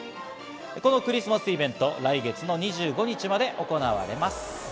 このクリスマスイベント、来月２５日まで行われます。